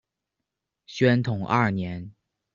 宣统二年。